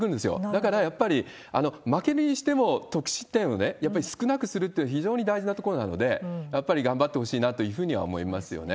だからやっぱり、負けるにしても得失点をやっぱり少なくするっていうのは非常に大事なところなので、やっぱり頑張ってほしいなというふうには思いますよね。